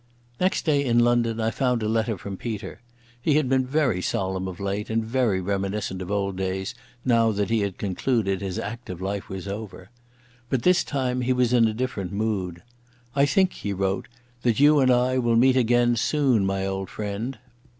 Next day in London I found a letter from Peter. He had been very solemn of late, and very reminiscent of old days now that he concluded his active life was over. But this time he was in a different mood. "I think," he wrote, "_that you and I will meet again soon, my old friend.